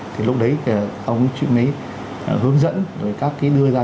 thì lúc đấy ông ấy hướng dẫn rồi đưa ra